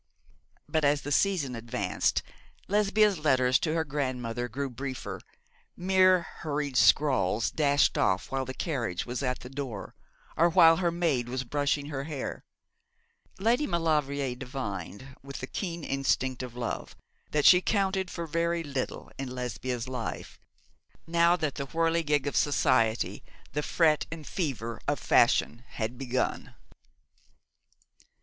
But as the season advanced Lesbia's letters to her grandmother grew briefer mere hurried scrawls dashed off while the carriage was at the door, or while her maid was brushing her hair. Lady Maulevrier divined, with the keen instinct of love, that she counted for very little in Lesbia's life, now that the whirligig of society, the fret and fever of fashion, had begun.